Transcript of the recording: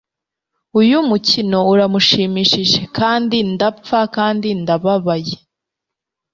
Uyu mukino uramushimishije kandi ndapfa kandi ndababaye